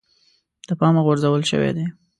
د پامه غورځول شوی دی.